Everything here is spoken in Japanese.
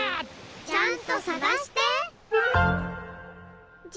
ちゃんとさがして！